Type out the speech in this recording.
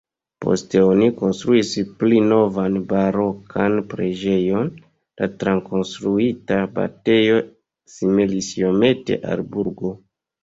Poste oni konstruis pli novan barokan preĝejon, la trakonstruita abatejo similis iomete al burgo.